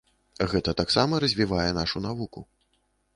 Гэта таксама развівае нашу навуку.